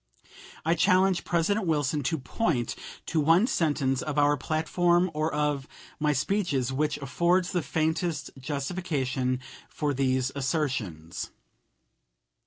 I challenge President Wilson to point to one sentence of our platform or of my speeches which affords the faintest justification for these assertions.